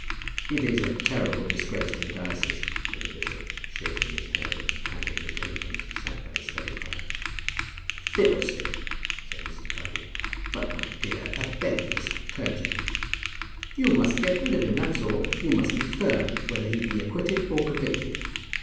"It is a terrible disgrace to the diocese," said the bishop, shaking his head, and patting his apron as he sat by his study fire. "Fiddlestick!" said Mrs. Proudie. "But, my dear, a beneficed clergyman!" "You must get rid of him; that's all. You must be firm whether he be acquitted or convicted."